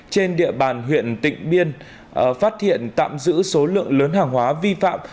trên địa bàn huyện tịnh biên phát hiện tạm giữ số lượng lớn hàng hóa vi phạm